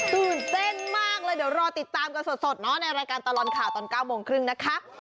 ตื่นเต้นมากเลยเดี๋ยวรอติดตามกันสดเนาะในรายการตลอดข่าวตอน๙โมงครึ่งนะคะ